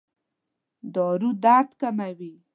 دارو درد کموي؟